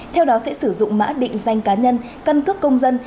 theo đó sẽ sử dụng mã định danh cá nhân căn cước công dân